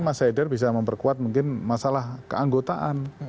mas haider bisa memperkuat mungkin masalah keanggotaan